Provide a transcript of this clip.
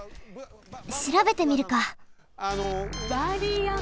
しらべてみるか。